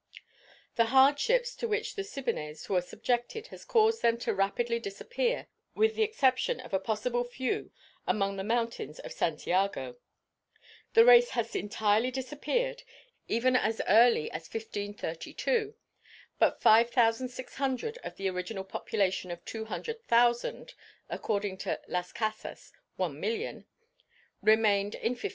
The hardships to which the Siboneyes were subjected has caused them to rapidly disappear, with the exception a possible few among the mountains of Santiago. The race has entirely disappeared even as early as 1532 but 5,600 of the original population of two hundred thousand (according to Las Casas 1.000.000) remained in 1511.